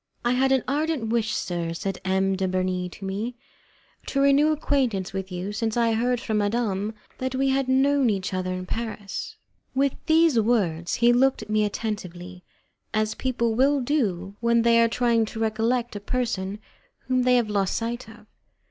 "I had an ardent wish, sir," said M. de Bernis to me, "to renew acquaintance with you, since I heard from madame that we had known each other in Paris." With these words he looked at me attentively, as people will do when they are trying to recollect a person whom they have lost sight of.